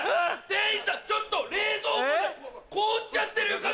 店員さんちょっと冷蔵庫で凍っちゃってる！